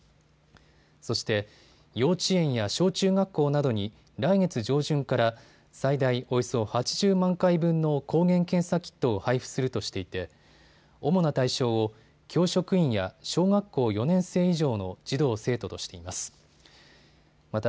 そして幼稚園や小中学校などに来月上旬から最大およそ８０万回分の抗原検査キットを配布するとしていて主な対象を教職員や小学校４年生以上の児童・生徒としています。